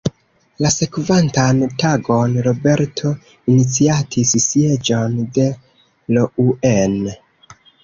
La sekvantan tagon Roberto iniciatis sieĝon de Rouen.